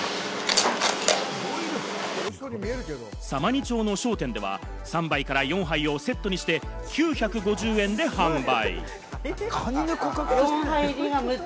様似町の商店では３杯から４杯をセットにして９５０円で販売。